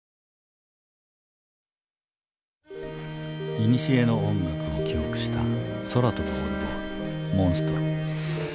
いにしえの音楽を記憶した空飛ぶオルゴール「モンストロ」。